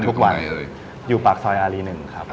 ทุกวันอยู่ปากซอยอารี๑ครับ